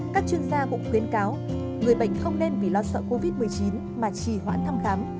các chuyên gia cũng khuyến cáo người bệnh không nên vì lo sợ covid một mươi chín mà trì hoãn thăm khám